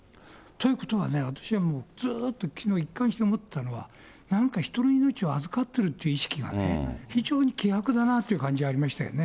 ということはね、私はもう、ずっときのう一貫して思ってたのは、何か人の命を預かっているという意識がね、非常に希薄だなという感じありましたよね。